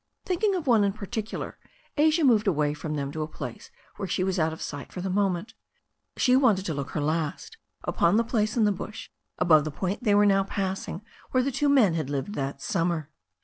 Thinking of one in particular, Asia moved away from them to a place where she was out of sight for the mo ment. She wanted to look her last upon the place in the bush above the point they were now passing where the two men Vvad \vvtd that summer.